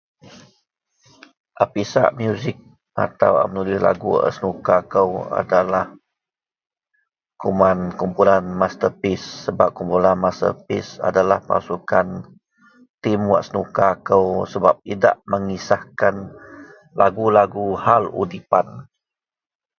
A pisak muzik atau a menulih lagu a senuka kou adalah kuman kumpulan Masterpiece sebab kumpulan Masterpiece adalah pasukan, tim wak senuka akou sebab idak mengisahkan lagu-lagu hal udipan